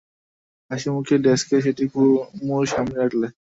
হাসিমুখে ডেস্কে সেটি কুমুর সামনে রাখলে।